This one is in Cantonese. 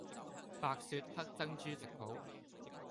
白雪黑珍珠食譜